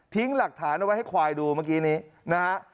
หลักฐานเอาไว้ให้ควายดูเมื่อกี้นี้นะฮะ